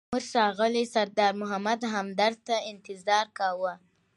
موږ ښاغلي سردار محمد همدرد ته انتظار کاوه.